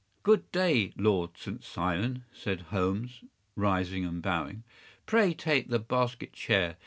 “Good day, Lord St. Simon,” said Holmes, rising and bowing. “Pray take the basket chair.